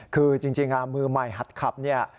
คือจริงค่ะมือใหม่หัดขับ